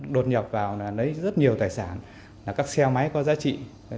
đột nhập vào là lấy rất nhiều tài sản là các xe máy có giá trị